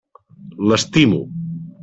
L'estimo.